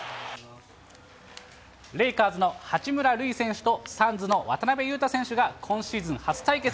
レイカーズの八村塁選手とサンズの渡邊雄太選手が今シーズン初対決。